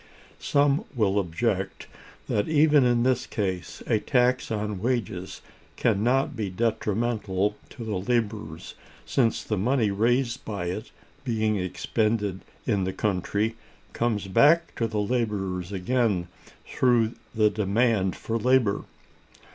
Some will object that, even in this case, a tax on wages can not be detrimental to the laborers, since the money raised by it, being expended in the country, comes back to the laborers again through the demand for labor.